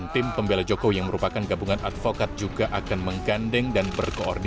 tim pembela jokowi